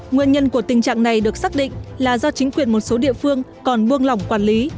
nguyên nhân của tình trạng này được xác định là do chính quyền một số địa phương còn buông lỏng quản lý